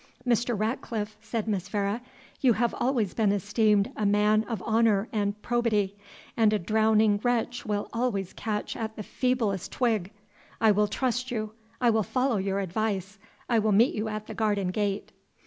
"Mr. Ratcliffe," said Miss Vere, "you have always been esteemed a man of honour and probity, and a drowning wretch will always catch at the feeblest twig, I will trust you I will follow your advice I will meet you at the garden gate."